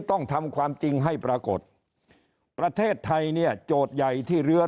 ต้องทำความจริงให้ปรากฏประเทศไทยเนี่ยโจทย์ใหญ่ที่เหลือ